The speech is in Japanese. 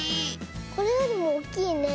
これよりもおっきいね。